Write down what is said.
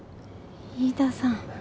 飯田さん。